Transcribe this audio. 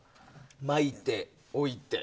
巻いて、置いて。